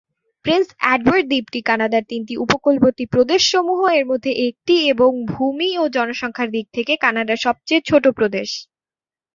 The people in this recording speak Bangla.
প্রিন্স এডওয়ার্ড দ্বীপটি কানাডার তিনটি উপকূলবর্তী প্রদেশসমূহ এর মধ্যে একটি এবং ভূমি ও জনসংখ্যার দিক থেকে কানাডার সবচেয়ে ছোট প্রদেশ।